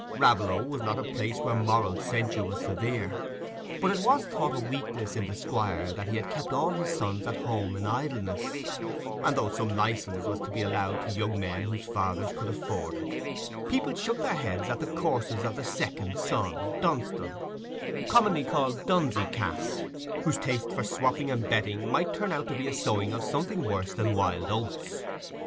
Raveloe was not a place where moral censure was severe, but it was thought a weakness in the Squire that he had kept all his sons at home in idleness; and though some licence was to be allowed to young men whose fathers could afford it, people shook their heads at the courses of the second son, Dunstan, commonly called Dunsey Cass, whose taste for swopping and betting might turn out to be a sowing of something worse than wild oats.